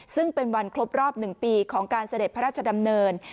ซึ่งเป็นวันครบรอบ๑ปีของการเสด็จพระราชดำเนิน